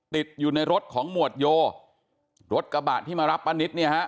ติดอยู่ในรถของหมวดโยรถกระบะที่มารับป้านิตเนี่ยฮะ